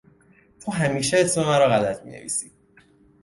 تو همیشه اسم مرا غلط می نویسی!